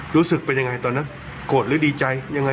รู้สึกเป็นยังไงตอนนั้นโกรธหรือดีใจยังไง